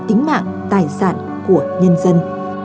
tính mạng tài sản của nhân dân